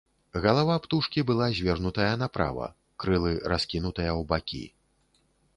Галава птушкі была звернутая направа, крылы раскінутыя ў бакі.